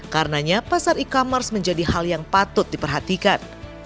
karenanya pasar e commerce menjadi hal yang patut diperhatikan